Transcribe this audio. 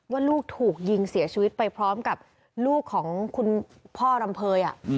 ว่าลูกถูกยิงเสียชีวิตไปพร้อมกับลูกของคุณพ่อรำเภย